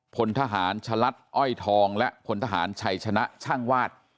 พลทหารฉลัดอ้อยทองและพลทหารชัยชนะช่างวาด